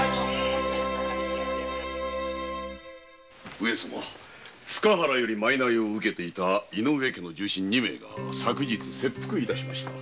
上様塚原より賂を受けていた井上家の重臣二名昨日切腹いたしました。